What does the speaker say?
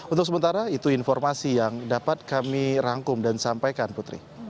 untuk sementara itu informasi yang dapat kami rangkum dan sampaikan putri